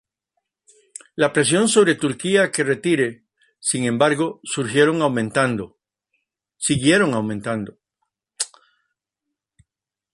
La presión sobre Turquía que retire, sin embargo, siguieron aumentando.